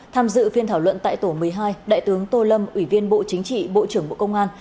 tham dự phiên thảo luận tại tổ một mươi hai đại tướng tô lâm ủy viên bộ chính trị bộ trưởng bộ công an